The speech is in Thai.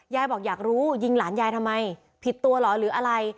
ยายบอกอยากรู้ยิงหลานยายทำไมผิดตัวเหรอหรืออะไร